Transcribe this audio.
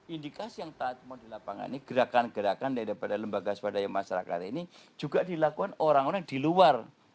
indikasi yang tadi mau dilapangkan ini gerakan gerakan dari lembaga swadaya masyarakat ini juga dilakukan orang orang di luar